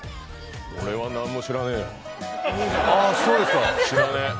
俺はなんも知らねぇよ。